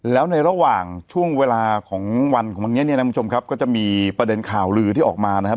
แล้วในระหว่างช่วงเวลาของวันของวันนี้เนี่ยนะคุณผู้ชมครับก็จะมีประเด็นข่าวลือที่ออกมานะครับ